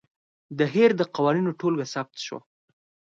د هیر د قوانینو ټولګه ثبت شوه.